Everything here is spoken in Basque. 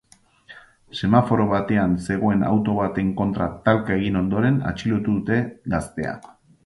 Semaforo batean zegoen auto baten kontra talka egin ondoren atxilotu dute gaztea.